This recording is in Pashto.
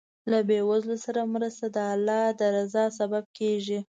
له بېوزلو سره مرسته د الله د رضا سبب کېږي.